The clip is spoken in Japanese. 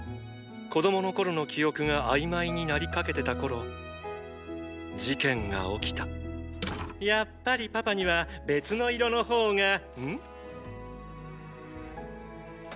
子供の頃の記憶が曖昧になりかけてた頃事件が起きたやっぱりパパには別の色の方がん？